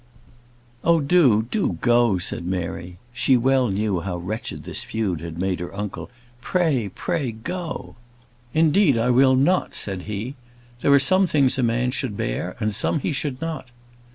"Oh, do, do go!" said Mary. She well knew how wretched this feud had made her uncle. "Pray, pray go!" "Indeed, I will not," said he. "There are some things a man should bear, and some he should not."